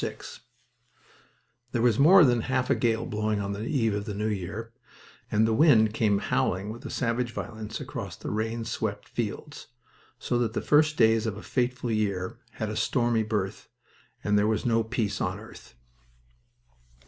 VI There was more than half a gale blowing on the eve of the new year, and the wind came howling with a savage violence across the rain swept fields, so that the first day of a fateful year had a stormy birth, and there was no peace on earth.